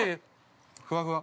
◆ふわふわ？